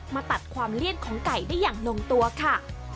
มาตัดความเลี่ยนของไก่ได้อย่างลงตัวค่ะ